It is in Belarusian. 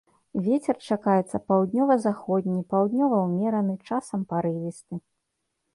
Вецер чакаецца паўднёва-заходні, паўднёвы ўмераны, часам парывісты.